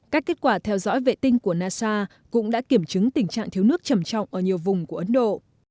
các kết quả theo dõi vệ tinh của nasa cũng đã kiểm chứng tình trạng thiếu nước trầm trọng ở nhiều vùng của ấn độ